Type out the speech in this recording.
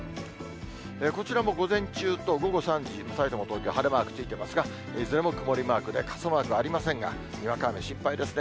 こちらも午前中と午後３時、さいたま、東京、晴れマークついていますが、いずれも曇りマークで、傘マークありませんが、にわか雨、心配ですね。